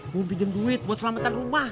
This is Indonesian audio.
mau pinjam duit buat selamatan rumah